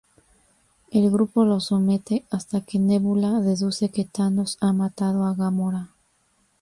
El grupo lo somete hasta que Nebula deduce que Thanos ha matado a Gamora.